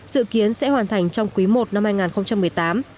dự kiến sẽ hoàn thành trong quý i năm hai nghìn một mươi tám